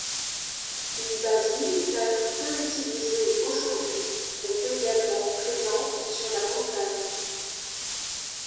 Une base militaire peu utilisée aujourd'hui est également présente sur la montagne.